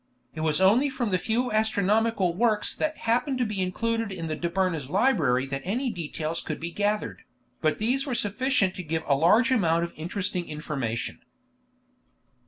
It was only from the few astronomical works that happened to be included in the Dobryna's library that any details could be gathered, but these were sufficient to give a large amount of interesting information.